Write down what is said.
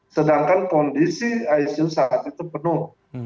sedangkan kondisi icu saat itu penuh